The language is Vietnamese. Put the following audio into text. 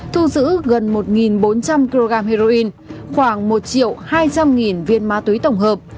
thu giữ gần một bốn trăm linh kg heroin khoảng một hai trăm linh viên ma túy tổng hợp